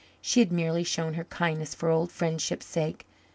She had merely shown him kindness for old friendship's sake.